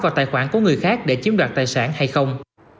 vào tài khoản của người khác để chiếm đoạt tài sản hay không